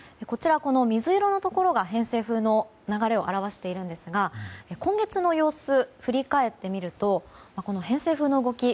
水色のところが偏西風の流れですが今月の様子を振り返ってみると偏西風の動き